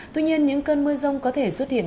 tuy nhiên những cơn mưa rông có thể xuất hiện